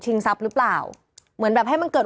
ทรัพย์หรือเปล่าเหมือนแบบให้มันเกิด